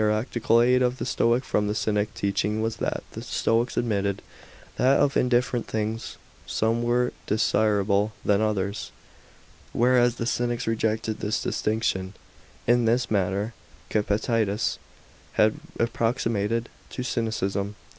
571 practical aide of the Stoic from the Cynic teaching was that the Stoics admitted, that of indifferent things some were more desirable than others, whereas the Cynics rejected this distinction. In this matter Kpictetus had approximated to Cynicism.